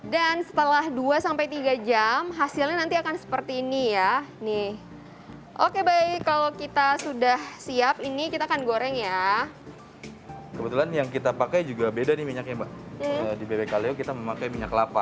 dan setelah dua tiga jam hasilnya nanti akan seperti ini ya nih oke baik kalau kita sudah siap ini kita akan goreng ya kebetulan yang kita pakai juga beda nih minyaknya mbak di bebekaleo kita memakai minyak lapa